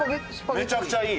めちゃくちゃいい。